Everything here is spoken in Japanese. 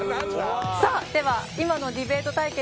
さあでは今のディベート対決